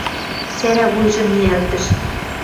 Цӓрӓ вуйжым ниӓлтӹш.